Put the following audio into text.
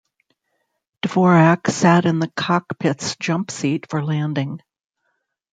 Dvorak sat in the cockpit's jump seat for landing.